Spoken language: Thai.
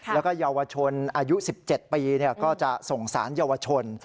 แล้วก็เยาวชนอายุ๑๗ปีก็จะส่งสารเยาวชน